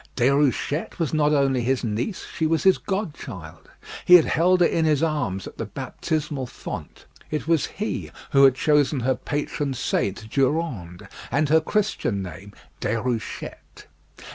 Déruchette was not only his niece, she was his godchild; he had held her in his arms at the baptismal font; it was he who had chosen her patron saint, Durande, and her Christian name, Déruchette.